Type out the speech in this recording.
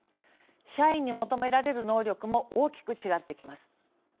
社員に求められる能力も大きく違ってきます。